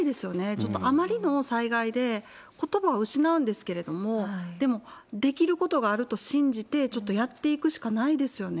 ちょっとあまりの災害で、ことばを失うんですけれども、でも、できることがあると信じて、ちょっとやっていくしかないですよね。